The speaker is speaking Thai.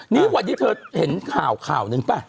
นี่วันนี้เธอเห็นข่าวนึงป่ะ